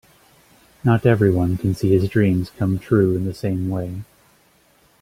Not everyone can see his dreams come true in the same way.